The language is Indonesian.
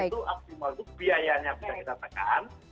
itu optimal itu biayanya bisa kita tekan